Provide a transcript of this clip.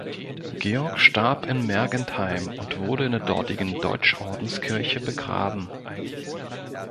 Georg starb in Mergentheim und wurde in der dortigen Deutschordenskirche begraben.